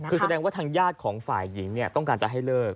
คือแสดงว่าทางญาติของฝ่ายหญิงต้องการจะให้เลิก